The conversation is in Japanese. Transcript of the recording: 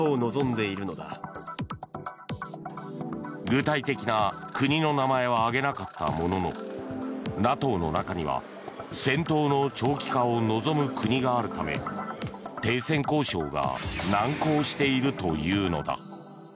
具体的な国の名前は挙げなかったもののＮＡＴＯの中には戦闘の長期化を望む国があるため停戦交渉が難航しているというのだ。